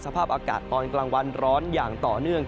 สภาพอากาศตอนกลางวันร้อนอย่างต่อเนื่อง